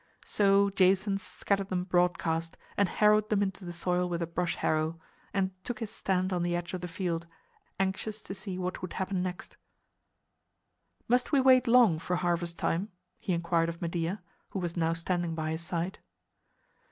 So Jason scattered them broadcast and harrowed them into the soil with a brush harrow, and took his stand on the edge of the field, anxious to see what would happen next. "Must we wait long for harvest time?" he inquired of Medea, who was now standing by his side.